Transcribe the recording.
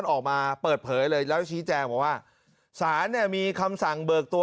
ออกมาเปิดเผยเลยและชี้แจงแสนเนี่ยมีคำสั่งเบิกตัว